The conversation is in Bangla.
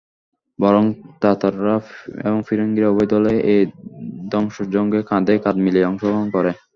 বরং তাতাররা এবং ফিরিঙ্গীরা উভয় দলই এই ধ্বংসযজ্ঞে কাঁধে কাঁধ মিলিয়ে অংশগ্রহণ করে।